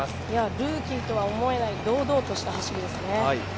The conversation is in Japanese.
ルーキーとは思えない堂々とした走りですね。